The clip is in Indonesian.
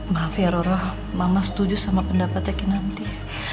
maaf ya roroh mama setuju sama pendapatnya kinanti